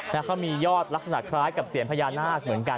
แล้วเขามียอดลักษณะคล้ายกับเสียญพญานาคเหมือนกัน